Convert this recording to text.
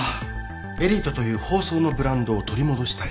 エリートという法曹のブランドを取り戻したい